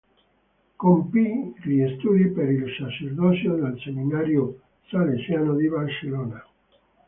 Compì gli studi per il sacerdozio nel seminario salesiano di Barcellona.